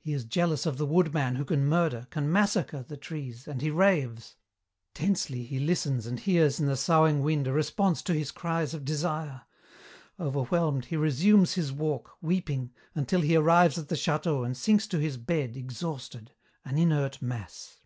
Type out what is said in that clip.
"He is jealous of the woodman who can murder, can massacre, the trees, and he raves. Tensely he listens and hears in the soughing wind a response to his cries of desire. Overwhelmed, he resumes his walk, weeping, until he arrives at the château and sinks to his bed exhausted, an inert mass.